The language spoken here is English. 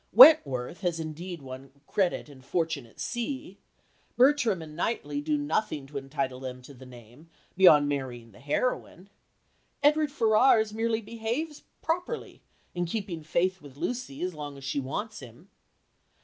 Wentworth has indeed won credit and fortune at sea. Bertram and Knightley do nothing to entitle them to the name, beyond marrying the heroine. Edward Ferrars merely behaves properly in keeping faith with Lucy as long as she wants him.